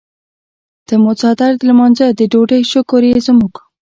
ته مو څادر د لمانځۀ د ډوډۍ شکور یې زموږ.